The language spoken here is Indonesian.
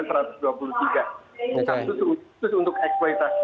itu untuk eksploitasi